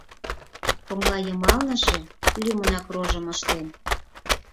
Коҥлайымалныже лӱмынак рожым ыштен.